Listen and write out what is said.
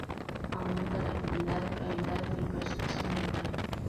Aumenta la agilidad, claridad y percepción mental.